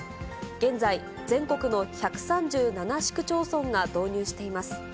現在、全国の１３７市区町村が導入しています。